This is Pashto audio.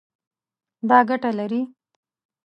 دا ګټه لري